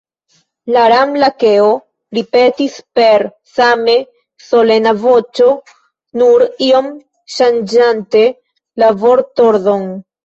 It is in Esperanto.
La Ran-Lakeo ripetis per same solena voĉo, nur iom ŝanĝante la vortordon.